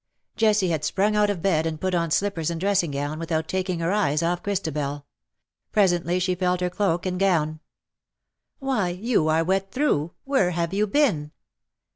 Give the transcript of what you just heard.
'''' Jessie had sprung out of bed, and put on slippers and dressing gown, without taking her eyes off Christabel. Presently she felt her cloak and gown. '' Why, you are wet through. Where have you been